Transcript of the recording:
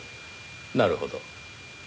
なるほど。